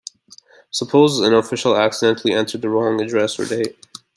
Suppose an official accidentally entered the wrong address or date?